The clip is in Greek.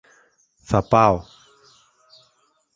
Θα πάω!